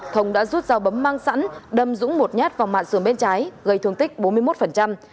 thông đã rút dao bấm mang sẵn đâm dũng một nhát vào mạng sườn bên trái gây thương tích bốn mươi một